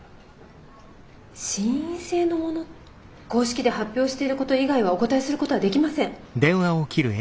心因性のもの？公式で発表していること以外はお答えすることはできません。